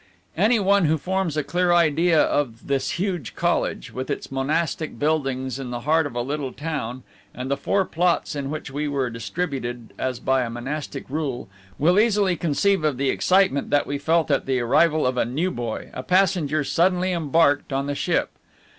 Any one who forms a clear idea of this huge college, with its monastic buildings in the heart of a little town, and the four plots in which we were distributed as by a monastic rule, will easily conceive of the excitement that we felt at the arrival of a new boy, a passenger suddenly embarked on the ship.